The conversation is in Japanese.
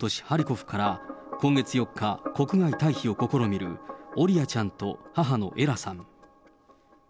ハリコフから今月４日、国外退避を試みるオリアちゃんと母のエラさん。